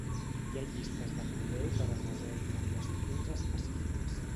Hi ha llistes de correu per a resoldre qüestions específiques.